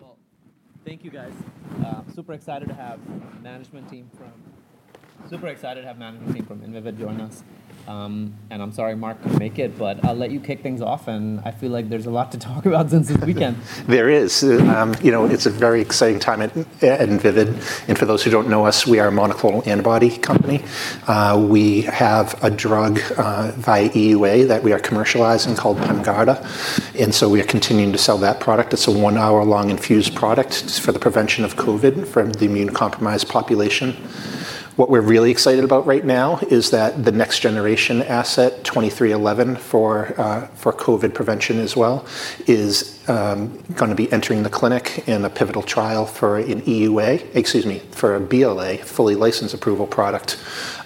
Well, thank you, guys. Super excited to have management team from Invivyd join us. And I'm sorry, Mark, couldn't make it, but I'll let you kick things off, and I feel like there's a lot to talk about since it's weekend. There is. You know, it's a very exciting time at Invivyd. And for those who don't know us, we are a monoclonal antibody company. We have a drug, via EUA that we are commercializing called PEMGARDA. And so we are continuing to sell that product. It's a one-hour-long infused product for the prevention of COVID for the immunocompromised population. What we're really excited about right now is that the next-generation asset, 2311, for COVID prevention as well, is gonna be entering the clinic in a pivotal trial for an EUA. Excuse me, for a BLA, fully licensed approval product.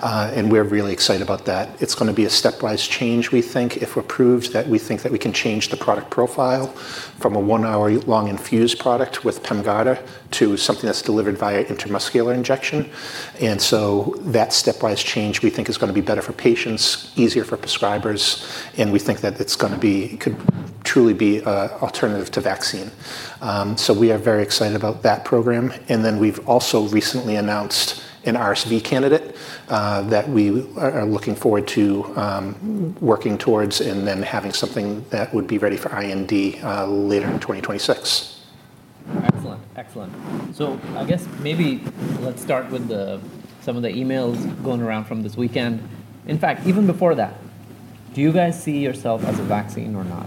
And we're really excited about that. It's gonna be a stepwise change, we think, if we're proved that we think that we can change the product profile from a one-hour-long infused product with PEMGARDA to something that's delivered via intramuscular injection. And so that stepwise change, we think, is gonna be better for patients, easier for prescribers, and we think that it's gonna be, could truly be an alternative to vaccine. So we are very excited about that program. And then we've also recently announced an RSV candidate that we are looking forward to working towards and then having something that would be ready for IND later in 2026. Excellent. Excellent. So I guess maybe let's start with some of the emails going around from this weekend. In fact, even before that, do you guys see yourself as a vaccine or not?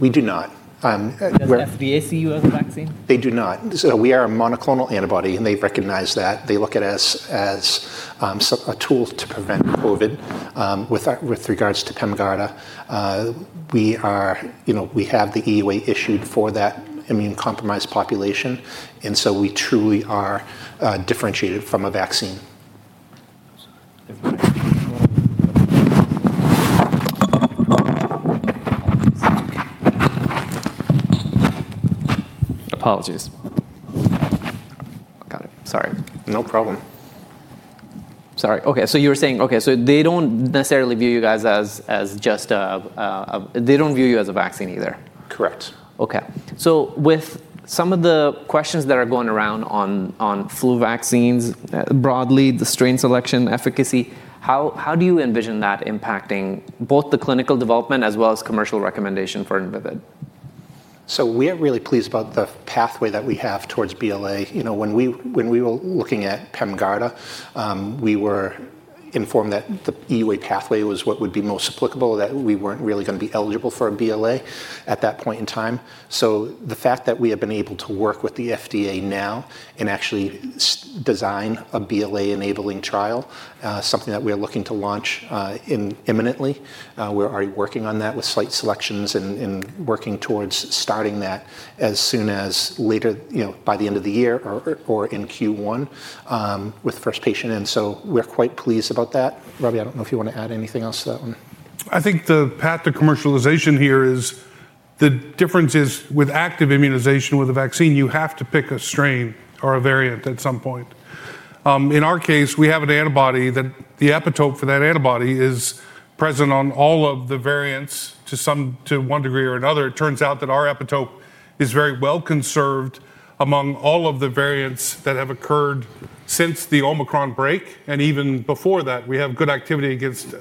We do not. Does FDA see you as a vaccine? They do not. So we are a monoclonal antibody, and they recognize that. They look at us as a tool to prevent COVID. With regards to PEMGARDA, we are, you know, we have the EUA issued for that immunocompromised population, and so we truly are differentiated from a vaccine. Apologies. Got it. Sorry. No problem. Sorry. Okay. So you were saying, okay. So they don't necessarily view you guys as just a. They don't view you as a vaccine either. Correct. Okay. So with some of the questions that are going around on flu vaccines, broadly, the strain selection efficacy, how do you envision that impacting both the clinical development as well as commercial recommendation for Invivyd? So we are really pleased about the pathway that we have towards BLA. You know, when we were looking at PEMGARDA, we were informed that the EUA pathway was what would be most applicable, that we weren't really gonna be eligible for a BLA at that point in time. So the fact that we have been able to work with the FDA now and actually design a BLA-enabling trial, something that we are looking to launch imminently. We're already working on that with site selections and working towards starting that as soon as later you know by the end of the year or in Q1 with first patient. And so we're quite pleased about that. Robbie, I don't know if you wanna add anything else to that one. I think the path to commercialization here is the difference is with active immunization with a vaccine, you have to pick a strain or a variant at some point. In our case, we have an antibody that the epitope for that antibody is present on all of the variants to some—to one degree or another. It turns out that our epitope is very well conserved among all of the variants that have occurred since the Omicron break, and even before that, we have good activity against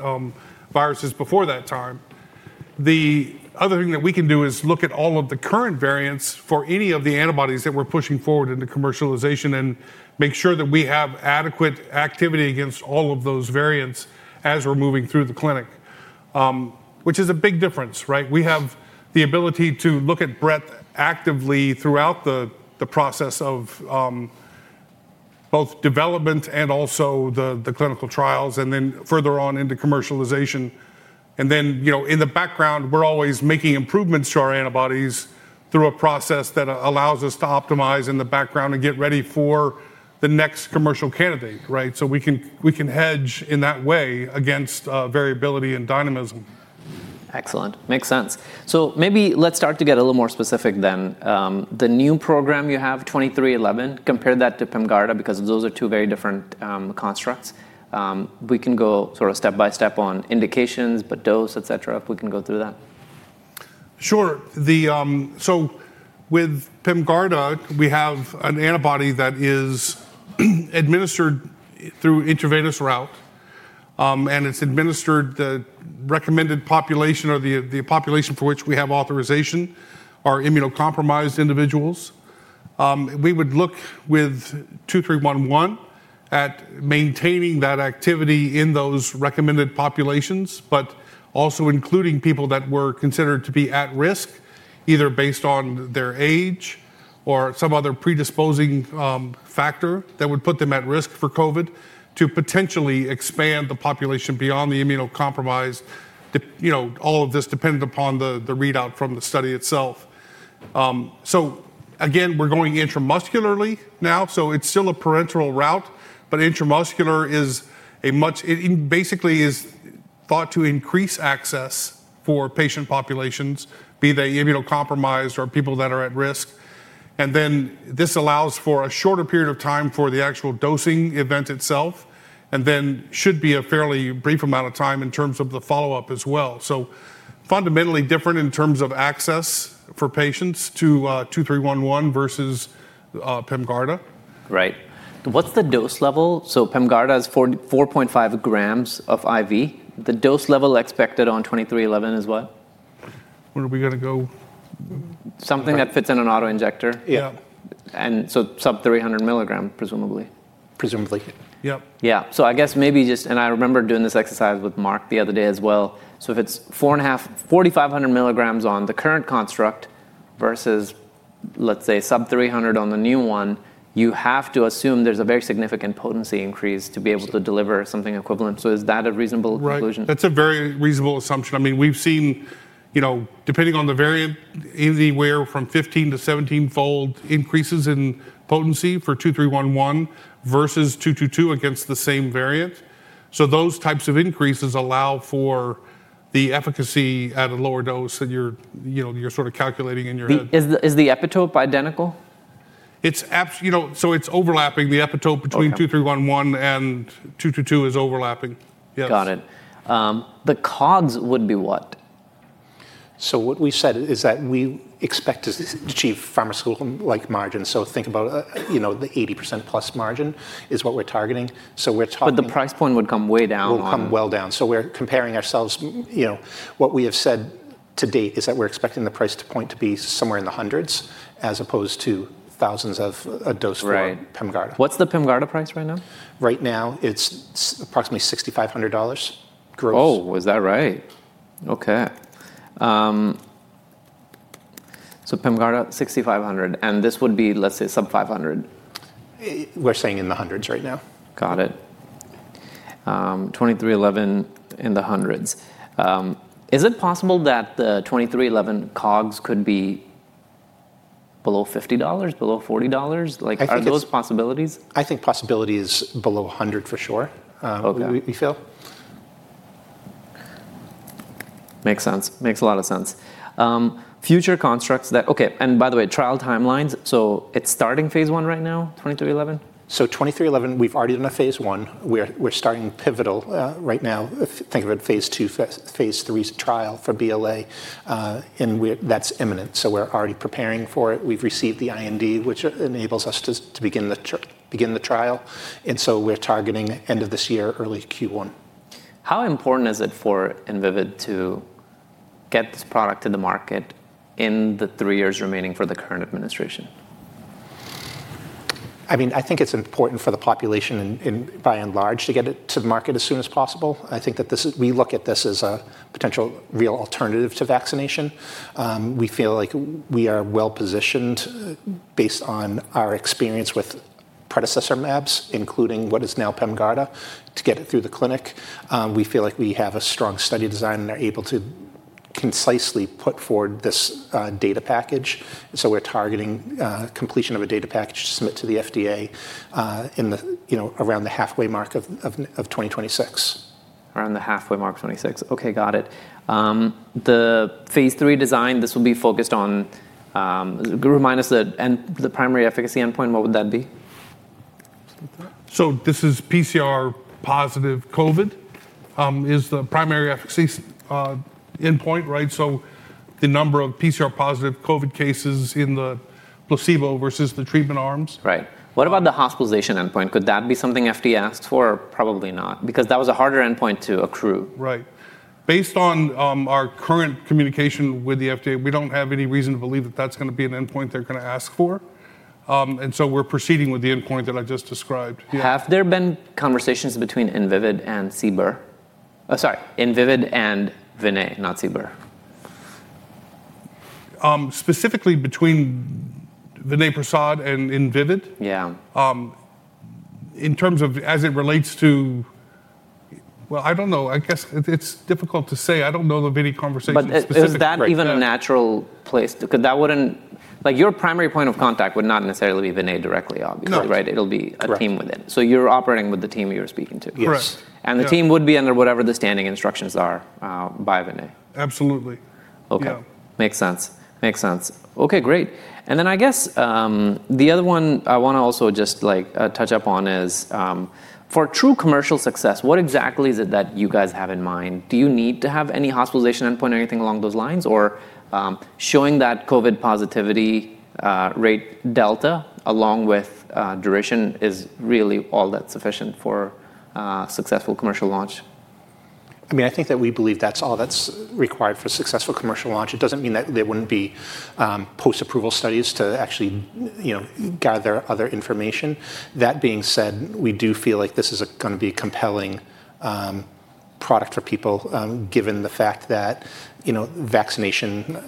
viruses before that time. The other thing that we can do is look at all of the current variants for any of the antibodies that we're pushing forward into commercialization and make sure that we have adequate activity against all of those variants as we're moving through the clinic, which is a big difference, right? We have the ability to look at breadth actively throughout the process of both development and also the clinical trials and then further on into commercialization. And then, you know, in the background, we're always making improvements to our antibodies through a process that allows us to optimize in the background and get ready for the next commercial candidate, right? So we can hedge in that way against variability and dynamism. Excellent. Makes sense. So maybe let's start to get a little more specific then. The new program you have, 2311, compare that to PEMGARDA because those are two very different constructs. We can go sort of step by step on indications, but dose, etc., if we can go through that. Sure. So with PEMGARDA, we have an antibody that is administered through intravenous route, and it's administered the recommended population or the population for which we have authorization are immunocompromised individuals. We would look with 2311 at maintaining that activity in those recommended populations, but also including people that were considered to be at risk, either based on their age or some other predisposing factor that would put them at risk for COVID to potentially expand the population beyond the immunocompromised. You know, all of this depended upon the readout from the study itself. So again, we're going intramuscularly now, so it's still a parenteral route, but intramuscular is a much—it basically is thought to increase access for patient populations, be they immunocompromised or people that are at risk. And then this allows for a shorter period of time for the actual dosing event itself, and then should be a fairly brief amount of time in terms of the follow-up as well, so fundamentally different in terms of access for patients to 2311 versus PEMGARDA. Right. What's the dose level? So PEMGARDA is 4-4.5 g IV. The dose level expected on 2311 is what? What are we gonna go? Something that fits in an autoinjector. Yeah. And so sub-300 mg, presumably. Presumably. Yep. Yeah. So I guess maybe just, and I remember doing this exercise with Mark the other day as well. So if it's four and a half, 4,500 mg on the current construct versus, let's say, sub-300 on the new one, you have to assume there's a very significant potency increase to be able to deliver something equivalent. So is that a reasonable conclusion? Right. That's a very reasonable assumption. I mean, we've seen, you know, depending on the variant, anywhere from 15- to 17-fold increases in potency for 2311 versus 222 against the same variant. So those types of increases allow for the efficacy at a lower dose that you're, you know, you're sort of calculating in your head. Is the epitope identical? It's you know, so it's overlapping. The epitope between 2311 and 222 is overlapping. Yes. Got it. The COGS would be what? So what we said is that we expect to achieve pharmaceutical-like margins. So think about, you know, the 80%+ margin is what we're targeting. So we're talking. But the price point would come way down on it. Will come well down, so we're comparing ourselves, you know. What we have said to date is that we're expecting the price point to be somewhere in the hundreds as opposed to thousands of a dose for PEMGARDA. Right. What's the PEMGARDA price right now? Right now, it's approximately $6,500 gross. Oh, is that right? Okay. So PEMGARDA, $6,500. And this would be, let's say, sub-500. We're saying in the hundreds right now. Got it. 2311 in the hundreds. Is it possible that the 2311 COGS could be below $50, below $40? Like, are those possibilities? I think possibility is below 100 for sure. We feel. Okay. Makes sense. Makes a lot of sense. Future constructs that okay. And by the way, trial timelines, so it's starting phase one right now, 2311? 2311, we've already done a Phase 1. We're starting pivotal right now. Think of it Phase 2, Phase 3 trial for BLA, and that's imminent. We're already preparing for it. We've received the IND, which enables us to begin the trial, and so we're targeting end of this year, early Q1. How important is it for Invivyd to get this product to the market in the three years remaining for the current administration? I mean, I think it's important for the population and by and large to get it to the market as soon as possible. I think that this is. We look at this as a potential real alternative to vaccination. We feel like we are well positioned, based on our experience with predecessor mAbs, including what is now PEMGARDA, to get it through the clinic. We feel like we have a strong study design and are able to concisely put forward this data package. So we're targeting completion of a data package to submit to the FDA, in the, you know, around the halfway mark of 2026. Around the halfway mark of 2026. Okay. Got it. The phase three design, this will be focused on, remind us that—and the primary efficacy endpoint, what would that be? So this is PCR positive COVID, is the primary efficacy endpoint, right? So the number of PCR positive COVID cases in the placebo versus the treatment arms. Right. What about the hospitalization endpoint? Could that be something FDA asked for or probably not? Because that was a harder endpoint to accrue. Right. Based on our current communication with the FDA, we don't have any reason to believe that that's gonna be an endpoint they're gonna ask for, and so we're proceeding with the endpoint that I just described. Yeah. Have there been conversations between Invivyd and CBER? Oh, sorry. Invivyd and Vinay, not CBER. Specifically between Vinay Prasad and Invivyd? Yeah. In terms of as it relates to, well, I don't know. I guess it's difficult to say. I don't know of any conversations specifically. But is that even a natural place? 'Cause that wouldn't—like, your primary point of contact would not necessarily be Vinay directly, obviously, right? No. It'll be a team within. So you're operating with the team you're speaking to. Yes. Correct. The team would be under whatever the standing instructions are, by Vinay. Absolutely. Okay. Makes sense. Makes sense. Okay. Great. And then, I guess, the other one I wanna also just, like, touch up on is, for true commercial success, what exactly is it that you guys have in mind? Do you need to have any hospitalization endpoint or anything along those lines? Or, showing that COVID positivity rate delta along with duration is really all that sufficient for successful commercial launch? I mean, I think that we believe that's all that's required for successful commercial launch. It doesn't mean that there wouldn't be post-approval studies to actually, you know, gather other information. That being said, we do feel like this is gonna be a compelling product for people, given the fact that, you know, vaccination,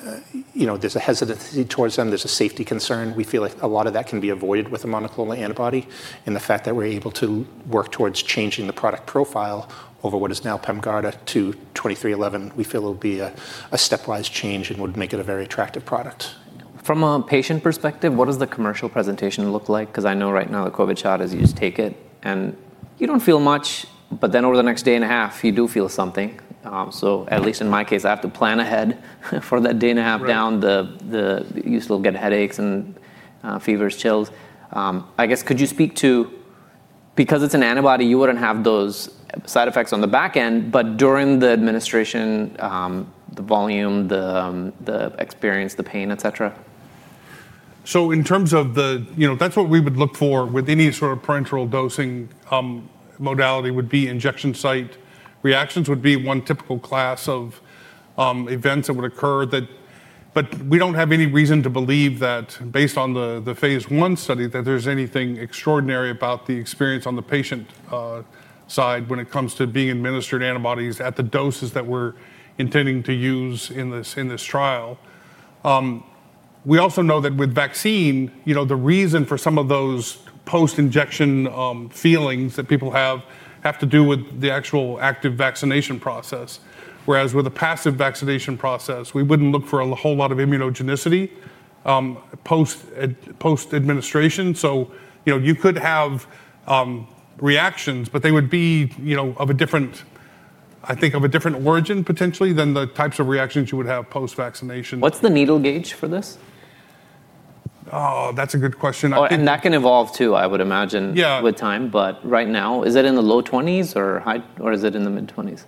you know, there's a hesitancy towards them. There's a safety concern. We feel like a lot of that can be avoided with a monoclonal antibody, and the fact that we're able to work towards changing the product profile over what is now PEMGARDA to 2311, we feel it'll be a stepwise change and would make it a very attractive product. From a patient perspective, what does the commercial presentation look like? 'Cause I know right now the COVID shot is you just take it and you don't feel much, but then over the next day and a half, you do feel something, so at least in my case, I have to plan ahead for that day and a half down, then you still get headaches and fevers, chills. I guess could you speak to because it's an antibody, you wouldn't have those side effects on the back end, but during the administration, the volume, the experience, the pain, et cetera? So in terms of the, you know, that's what we would look for with any sort of parenteral dosing. Modality would be injection site reactions would be one typical class of events that would occur, but we don't have any reason to believe that based on the Phase 1 study that there's anything extraordinary about the experience on the patient side when it comes to being administered antibodies at the doses that we're intending to use in this trial. We also know that with vaccine, you know, the reason for some of those post-injection feelings that people have to do with the actual active vaccination process. Whereas with a passive vaccination process, we wouldn't look for a whole lot of immunogenicity post-administration. You know, you could have reactions, but they would be, you know, of a different origin, I think, potentially than the types of reactions you would have post-vaccination. What's the needle gauge for this? Oh, that's a good question. Oh, and that can evolve too, I would imagine. Yeah. With time. But right now, is it in the low 20s or high or is it in the mid-20s?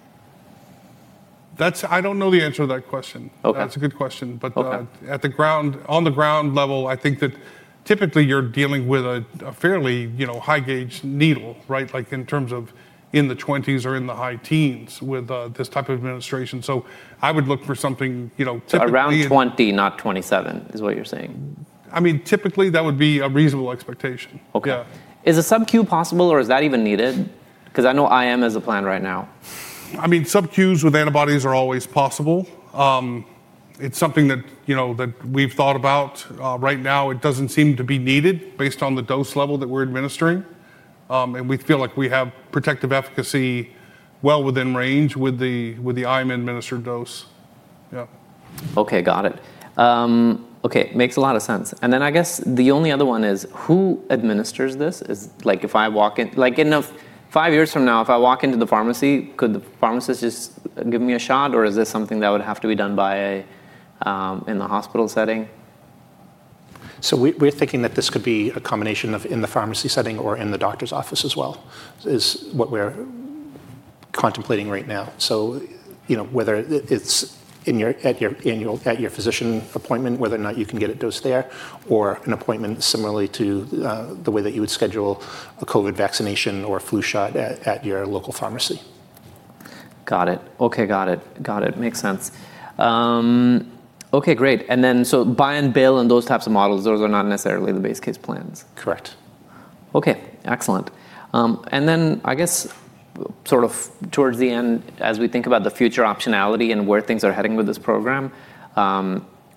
That's, I don't know the answer to that question. Okay. That's a good question. But on the ground level, I think that typically you're dealing with a fairly, you know, high-gauge needle, right? Like in terms of the 20s or in the high teens with this type of administration. So I would look for something, you know, typically. Around 20, not 27 is what you're saying. I mean, typically that would be a reasonable expectation. Okay. Yeah. Is a sub-Q possible or is that even needed? 'Cause I know IM is a plan right now. I mean, sub-Qs with antibodies are always possible. It's something that, you know, that we've thought about. Right now, it doesn't seem to be needed based on the dose level that we're administering, and we feel like we have protective efficacy well within range with the IM-administered dose. Yeah. Okay. Got it. Okay. Makes a lot of sense. And then I guess the only other one is who administers this? Is like, if I walk in, like, in five years from now, if I walk into the pharmacy, could the pharmacist just give me a shot or is this something that would have to be done by a, in the hospital setting? So, we're thinking that this could be a combination of in the pharmacy setting or in the doctor's office as well, is what we're contemplating right now. So, you know, whether it's at your annual physician appointment, whether or not you can get it dosed there or an appointment similarly to the way that you would schedule a COVID vaccination or a flu shot at your local pharmacy. Got it. Okay. Makes sense. Great. And then, so buy and bill and those types of models, those are not necessarily the base case plans. Correct. Okay. Excellent, and then I guess sort of towards the end, as we think about the future optionality and where things are heading with this program,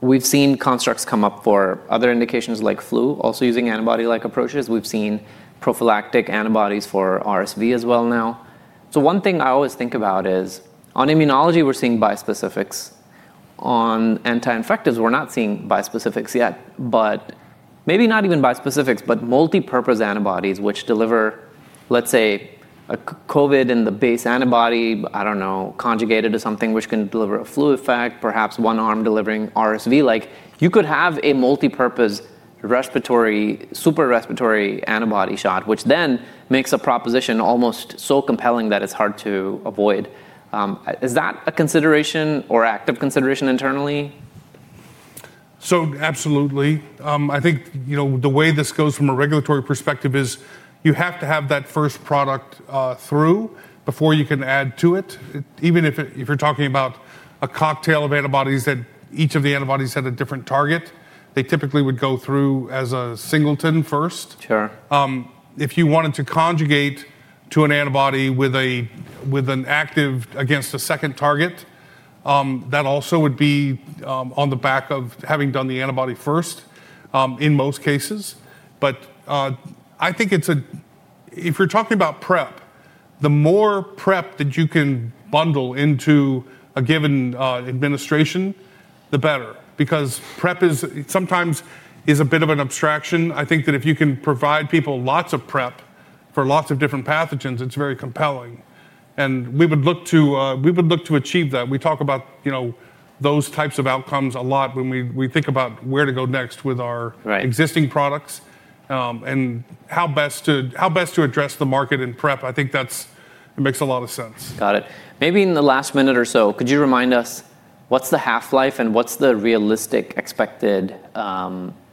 we've seen constructs come up for other indications like flu, also using antibody-like approaches. We've seen prophylactic antibodies for RSV as well now. So one thing I always think about is on immunology, we're seeing bispecifics. On anti-infectives, we're not seeing bispecifics yet, but maybe not even bispecifics, but multipurpose antibodies, which deliver, let's say, a COVID in the base antibody, I don't know, conjugated to something which can deliver a flu effect, perhaps one arm delivering RSV. Like you could have a multipurpose respiratory super respiratory antibody shot, which then makes a proposition almost so compelling that it's hard to avoid. Is that a consideration or active consideration internally? So absolutely. I think, you know, the way this goes from a regulatory perspective is you have to have that first product through before you can add to it. Even if you're talking about a cocktail of antibodies that each of the antibodies had a different target, they typically would go through as a singleton first. Sure. If you wanted to conjugate to an antibody with an active against a second target, that also would be, on the back of having done the antibody first, in most cases. But, I think it's, if you're talking about prep, the more prep that you can bundle into a given administration, the better. Because prep is sometimes a bit of an abstraction. I think that if you can provide people lots of prep for lots of different pathogens, it's very compelling. And we would look to achieve that. We talk about, you know, those types of outcomes a lot when we think about where to go next with our. Right. Existing products, and how best to address the market in prep. I think that's it makes a lot of sense. Got it. Maybe in the last minute or so, could you remind us what's the half-life and what's the realistic expected,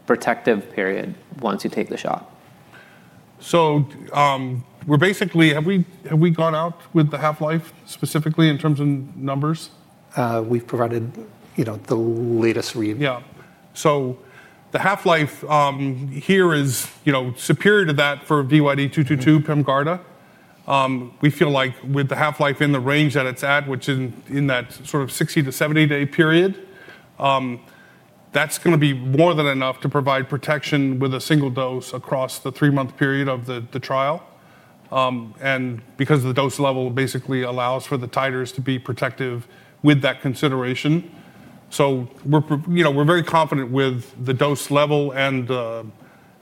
protective period once you take the shot? So, we're basically, have we gone out with the half-life specifically in terms of numbers? We've provided, you know, the latest. Yeah. So the half-life here is, you know, superior to that for VYD222 PEMGARDA. We feel like with the half-life in the range that it's at, which is in that sort of 60 to 70-day period, that's gonna be more than enough to provide protection with a single dose across the three-month period of the trial. And because the dose level basically allows for the titers to be protective with that consideration. So we're, you know, we're very confident with the dose level and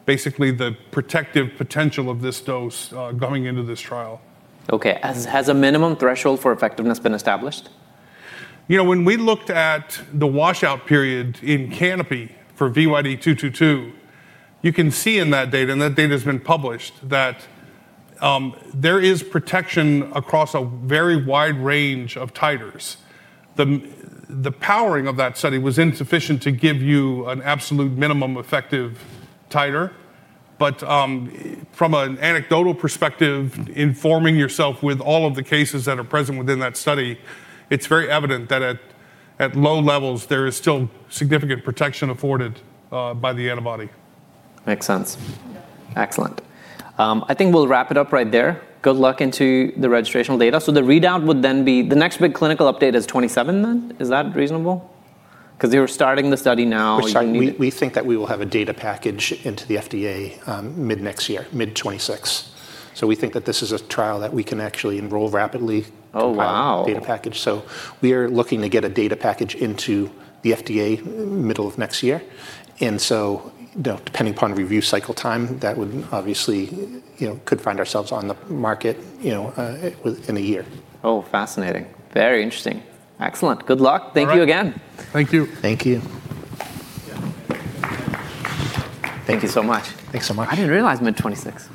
basically the protective potential of this dose going into this trial. Okay. Has a minimum threshold for effectiveness been established? You know, when we looked at the washout period in CANOPY for VYD222, you can see in that data, and that data has been published, that there is protection across a very wide range of titers. The powering of that study was insufficient to give you an absolute minimum effective titer. But from an anecdotal perspective, informing yourself with all of the cases that are present within that study, it's very evident that at low levels, there is still significant protection afforded by the antibody. Makes sense. Excellent. I think we'll wrap it up right there. Good luck into the registrational data. So the readout would then be the next big clinical update is 2027 then. Is that reasonable? 'Cause you're starting the study now. We're starting. We think that we will have a data package into the FDA, mid-next year, mid-2026. So we think that this is a trial that we can actually enroll rapidly. Oh, wow. Into that data package. So we are looking to get a data package into the FDA middle of next year. And so, you know, depending upon review cycle time, that would obviously, you know, could find ourselves on the market, you know, within a year. Oh, fascinating. Very interesting. Excellent. Good luck. Thank you again. Thank you. Thank you. Thank you so much. Thanks so much. I didn't realize mid-2026.